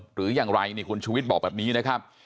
หรืออย่างไรคุณชุวิตบอกแบบนี้นะครับ